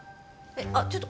えっあちょっと。